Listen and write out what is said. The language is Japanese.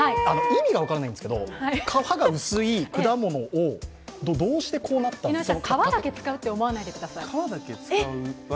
意味が分からないんですけど皮が薄い果物をどうしてこうなった皮だけ使うと思わないでください。